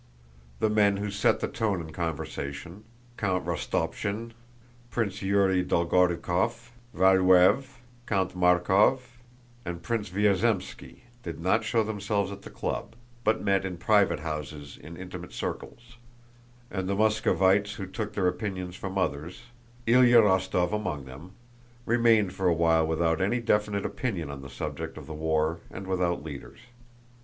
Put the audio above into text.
The men who set the tone in conversation—Count Rostopchín, Prince Yúri Dolgorúkov, Valúev, Count Markóv, and Prince Vyázemski—did not show themselves at the club, but met in private houses in intimate circles, and the Moscovites who took their opinions from others—Ilyá Rostóv among them—remained for a while without any definite opinion on the subject of the war and without leaders.